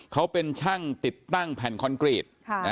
เขาเป็นช่างติดตั้งแผ่นคอนกรีต